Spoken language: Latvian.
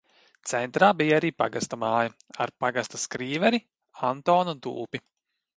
Centrā bija arī pagasta māja ar pagasta skrīveri Antonu Dulpi.